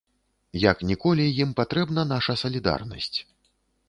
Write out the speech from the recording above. Як ніколі ім патрэбна наша салідарнасць.